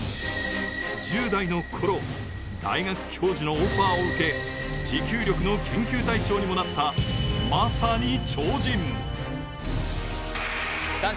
１０代のころ、大学教授のオファーを受け持久力の研究対象にもなった、まさに超人。